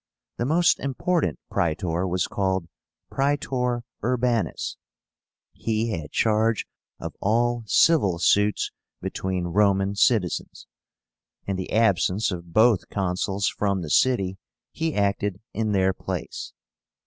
The most important Praetor was called Praetor Urbánus. He had charge of all civil suits between Roman citizens. In the absence of both Consuls from the city, he acted in their place.